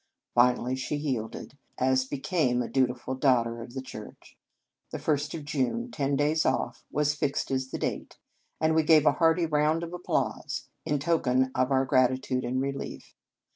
Finally she yielded, as became a dutiful daughter of the Church; the first of June, ten days off, was fixed as the date; and we gave a hearty round of applause, in token of our gratitude and relief.